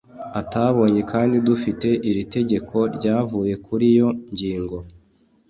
atabonye Kandi dufite iri tegeko ryavuye kuri yo ngingo